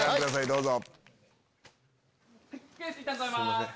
どうぞ。